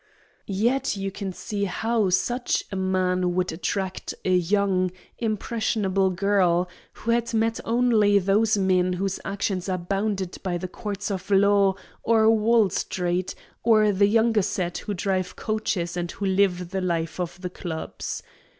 Yet you can see how such a man would attract a young, impressionable girl, who had met only those men whose actions are bounded by the courts of law or Wall Street, or the younger set who drive coaches and who live the life of the clubs.